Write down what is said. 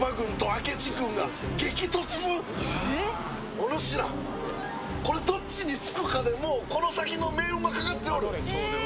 おぬしら、これどっちにつくかで、この先の命運がかかっておる！